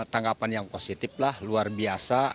tanggapan yang positif lah luar biasa